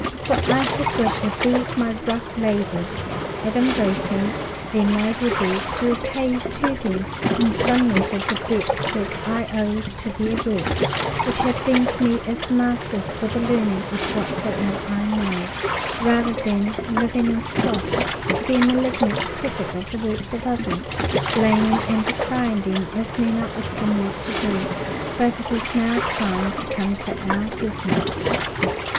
For I have wished with these my rough labours, adumbrating their noble deeds, to repay to them in some measure the debt that I owe to their works, which have been to me as masters for the learning of whatsoever I know, rather than, living in sloth, to be a malignant critic of the works of others, blaming and decrying them as men are often wont to do. But it is now time to come to our business.